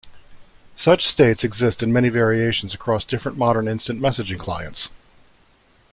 Such states exist in many variations across different modern instant messaging clients.